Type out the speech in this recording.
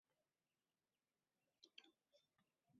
Hammaning koʻngliga yoʻl topaolgan kishining oʻlimi ham goʻzal boʻladi